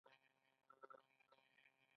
د شاتو مچۍ ګلانو ته اړتیا لري